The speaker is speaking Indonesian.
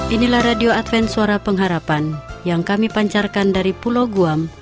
inilah radio adven suara pengharapan yang kami pancarkan dari pulau guam